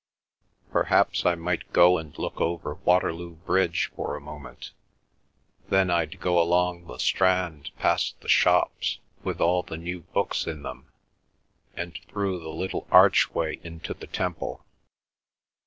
Perhaps I might go and look over Waterloo Bridge for a moment. Then I'd go along the Strand past the shops with all the new books in them, and through the little archway into the Temple.